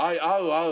合う？